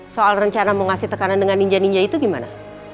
soal rencana mau ngasih tekanan dengan ninjan ninja itu gimana